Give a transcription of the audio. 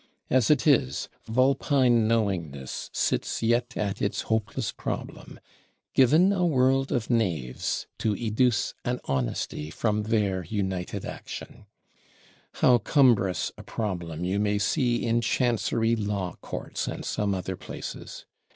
As it is, vulpine knowingness sits yet at its hopeless problem, "Given a world of Knaves, to educe an Honesty from their united action;" how cumbrous a problem, you may see in Chancery Law Courts, and some other places!